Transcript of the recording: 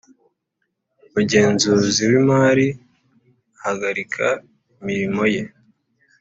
Umugenzuzi w’imari ahagarika imirimo ye